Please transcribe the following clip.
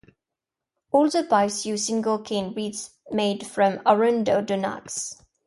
All the pipes use single cane reeds made from Arundo donax.